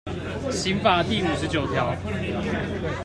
刑法第五十九條